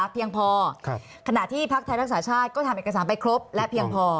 เพียงพอขณะที่พักไทยรักษาชาติก็ทำเอกสารไปครบและเพียงพอ